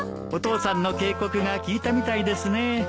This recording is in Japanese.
お父さんの警告が効いたみたいですね。